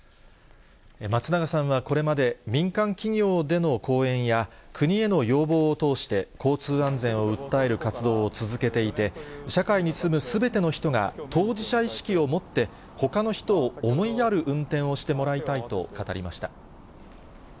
松永さんはこれまで、民間企業での講演や、国への要望を通して、交通安全を訴える活動を続けていて、社会に住むすべての人が当事者意識を持って、ほかの人を思いやる運転をしてもらいたいと語りました。